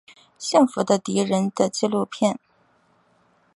幸福的敌人的纪录片。